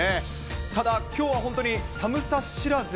ただ、きょうは本当に寒さ知らず。